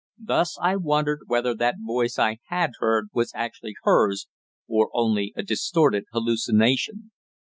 Thus I wondered whether that voice I had heard was actually hers, or only a distorted hallucination.